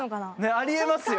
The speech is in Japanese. あり得ますよ。